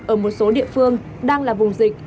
ở một số địa phương đang là vùng dịch